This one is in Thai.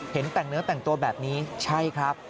เห็นแต่งเนื้อแต่งตัวแบบนี้ใช่ครับ